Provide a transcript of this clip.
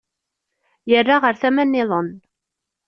Yerra ɣer tama nniḍen.